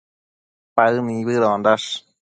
Paë nibëdondash